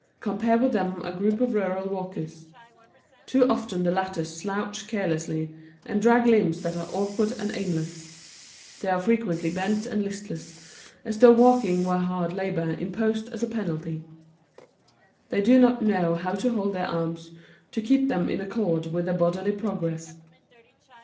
Compare with them a group of rural walkers. Too often the latter slouch carelessly and drag limbs that are awkward and aimless. They are frequently bent and listless, as though walking were hard labor imposed as a penalty. They do not know how to hold their arms to keep them in accord with their bodily progress.